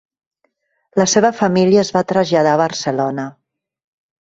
La seva família es va traslladar a Barcelona.